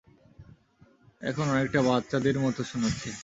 এখন অনেকটা বাচ্চাদের মতো শোনাচ্ছে।